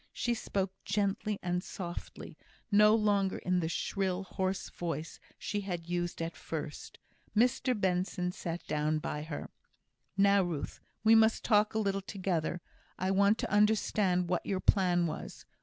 She spoke gently and softly; no longer in the shrill, hoarse voice she had used at first. Mr Benson sat down by her. "Now, Ruth, we must talk a little together. I want to understand what your plan was.